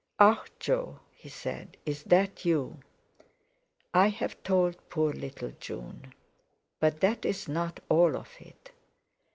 "Ah! Jo!" he said, "is that you? I've told poor little June. But that's not all of it.